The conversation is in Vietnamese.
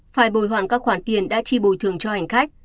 phải bùi hoàn các khoản tiền đã chi bùi thường cho hành khách